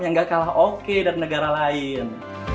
yang gak kalah oke dan negara lain